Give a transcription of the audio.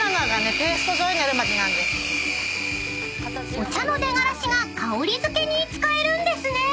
［お茶の出がらしが香り付けに使えるんですね］